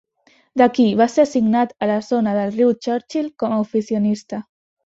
D'aquí va ser assignat a la zona del riu Churchill com a oficinista.